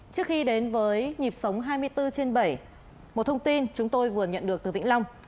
trước khi đến với nhịp sống hai mươi bốn trên bảy một thông tin chúng tôi vừa nhận được từ vĩnh long